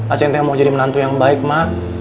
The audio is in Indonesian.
aceh mau jadi menantu yang baik ma